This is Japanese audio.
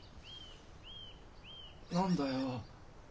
何だよ